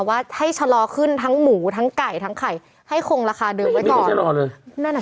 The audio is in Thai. ว่าให้ชะลอขึ้นทั้งหมูทั้งไก่ทั้งไข่ให้คงราคาเดิมไว้ก่อน